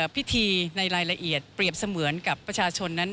พิธีในรายละเอียดเปรียบเสมือนกับประชาชนนั้น